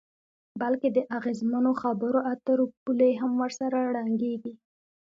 بلکې د اغیزمنو خبرو اترو پولې هم ورسره ړنګیږي.